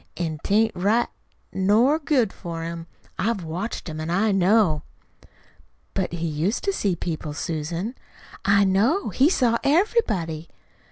An' 'tain't right nor good for him. I've watched him an' I know." "But he used to see people, Susan." "I know it. He saw everybody."